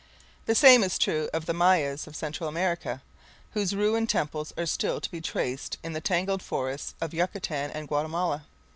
The same is true of the Mayas of Central America, whose ruined temples are still to be traced in the tangled forests of Yucatan and Guatemala.